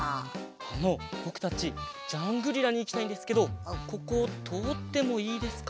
あのぼくたちジャングリラにいきたいんですけどこことおってもいいですか？